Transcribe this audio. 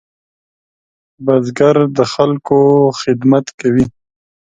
بزګر د خلکو خدمت کوي